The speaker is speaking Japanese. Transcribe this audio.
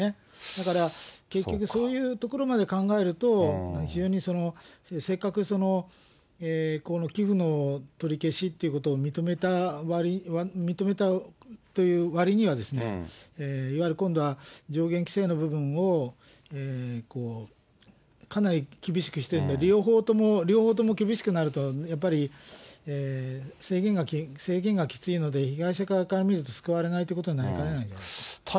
だから結局そういうところまで考えると、非常にせっかく、寄付の取り消しということを認めたという割には、いわゆる今度は上限規制の部分をかなり厳しくしているので、両方とも厳しくなると、やっぱり制限がきついので、被害者側から見ると救われないということになりかねないんじゃな